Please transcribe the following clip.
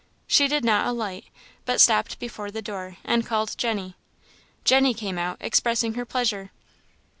She did not alight, but stopped before the door, and called Jenny. Jenny came out, expressing her pleasure.